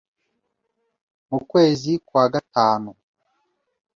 mu kwezi kwa gatanu